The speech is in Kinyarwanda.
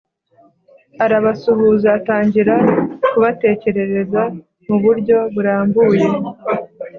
Arabasuhuza atangira kubatekerereza mu buryo burambuye